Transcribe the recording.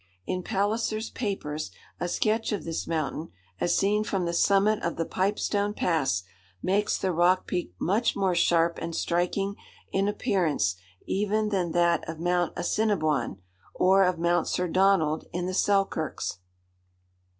In Palliser's Papers a sketch of this mountain, as seen from the summit of the Pipestone Pass, makes the rock peak much more sharp and striking in appearance even than that of Mount Assiniboine, or of Mount Sir Donald in the Selkirks.